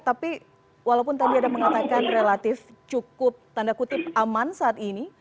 tapi walaupun tadi ada mengatakan relatif cukup tanda kutip aman saat ini